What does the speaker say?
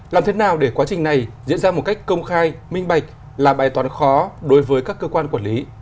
làm thế nào để quá trình này diễn ra một cách công khai minh bạch là bài toán khó đối với các cơ quan quản lý